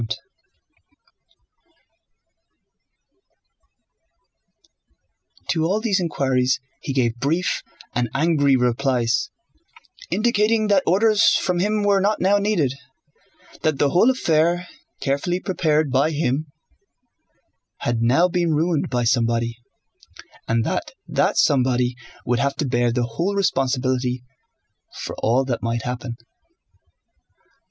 To all these inquiries he gave brief and angry replies indicating that orders from him were not now needed, that the whole affair, carefully prepared by him, had now been ruined by somebody, and that that somebody would have to bear the whole responsibility for all that might happen.